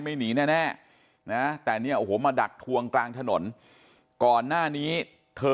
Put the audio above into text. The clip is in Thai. หนีแน่นะแต่เนี่ยโอ้โหมาดักทวงกลางถนนก่อนหน้านี้เธอ